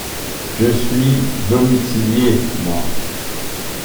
Je suis domicilié, moi!